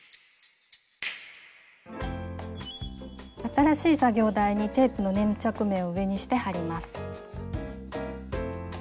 新しい作業台にテープの粘着面を上にして貼ります。